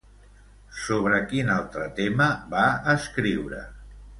Sobre quin altre tema va escriure?